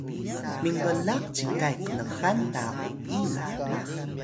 minblaq cikay qnxan ta uyi la